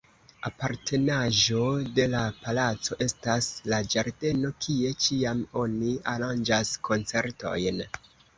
Apartenaĵo de la palaco estas la ĝardeno, kie ĉiam oni aranĝas koncertojn.